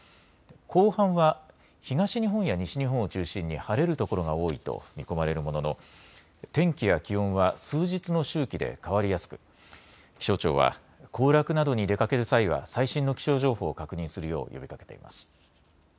後半は東日本や西日本を中心に、晴れる所が多いと見込まれるものの、天気や気温は数日の周期で変わりやすく、気象庁は行楽などに出かける際は最新の気象情報を確認するよう呼びかけています。